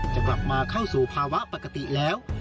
จะกลับมาเข้าสู่ภาวะปกติแล้ว